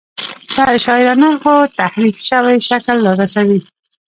په شاعرانه خو تحریف شوي شکل رارسوي.